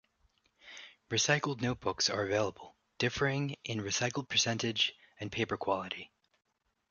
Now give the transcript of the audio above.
Recycled notebooks are available, differing in recycled percentage and paper quality.